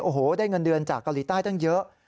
โอ้โหได้เงินเดือนจากเกาหลีใต้ตั้งเยอะ